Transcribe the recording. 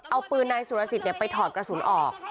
เอาปืนนายสุรสิทธิ์ไปถอดกระสุนออก